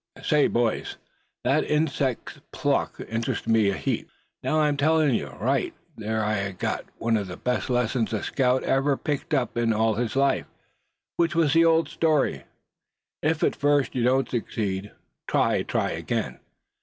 "Say, boys, that insect's pluck interested me a heap, now, I'm tellin' you. Right there I got one of the best lessons a scout ever picked up in all his life; which was the old story, 'if at first you don't succeed, try, try again.'